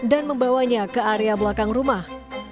dan membawanya ke area belakang rumah